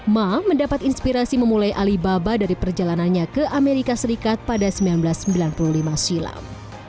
ma mendapat inspirasi memulai alibaba dari perjalanannya ke amerika serikat pada seribu sembilan ratus sembilan puluh lima silam